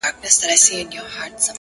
نړیوال راپورونه پرې زياتيږي,